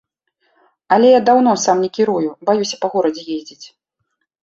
Але даўно сам не кірую, баюся па горадзе ездзіць.